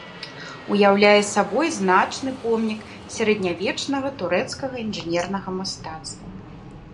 Уяўляе сабой значны помнік сярэднявечнага турэцкага інжынернага мастацтва.